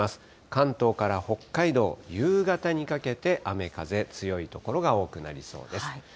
関東から北海道、夕方にかけて雨風強い所が多くなりそうです。